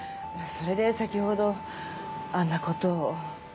それで先ほどあんなことを。